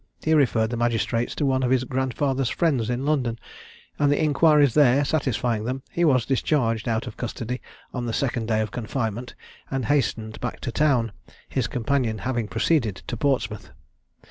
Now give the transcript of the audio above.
He referred the magistrates to one of his grandfather's friends in London; and the inquiries there satisfying them, he was discharged out of custody on the second day of confinement, and hastened back to town, his companion having proceeded to Portsmouth.